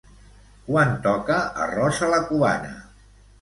Quan toca arròs a la cubana?